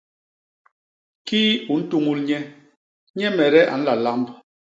Kii u ntuñul nye, nyemede a nla lamb!